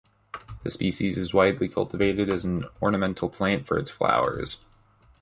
The species is widely cultivated as an ornamental plant for its flowers.